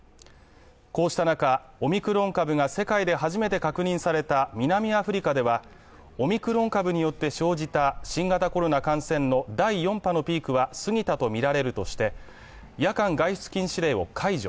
こうした中、オミクロン株が世界で初めて確認された南アフリカではオミクロン株によって生じた新型コロナ感染の第４波のピークは過ぎたとみられるとして、夜間外出禁止令を解除。